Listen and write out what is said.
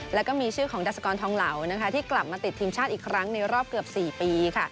แล้วก็มีชื่อของดาสกรทองเหล่าที่กลับมาติดทีมชาติอีกครั้งในรอบเกือบ๔ปี